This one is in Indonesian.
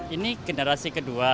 ini generasi kedua